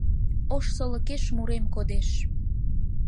Ош солыкеш мурем кодеш